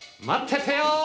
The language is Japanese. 待っててよ